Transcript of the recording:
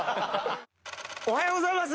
おはようございます。